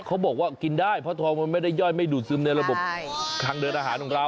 เขาบอกว่ากินได้เพราะทองมันไม่ได้ย่อยไม่ดูดซึมในระบบทางเดินอาหารของเรา